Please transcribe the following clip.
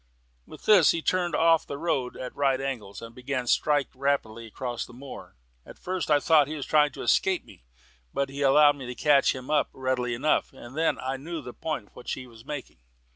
With this he turned off the road at right angles, and began to strike rapidly across the moor. At first I thought he was trying to escape me, but he allowed me to catch him up readily enough, and then I knew the point for which he was making.